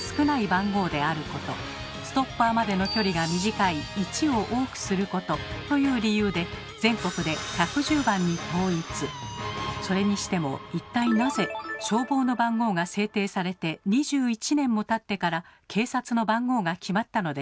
番号であることストッパーまでの距離が短い「１」を多くすることという理由でそれにしても一体なぜ消防の番号が制定されて２１年もたってから警察の番号が決まったのでしょうか？